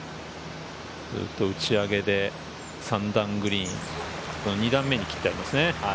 打ち上げで３段グリーンの２段目に切ってありますね。